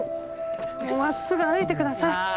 真っすぐ歩いてください。